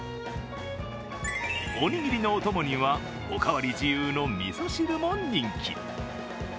おにぎりのお供にはお代わり自由のみそ汁も人気。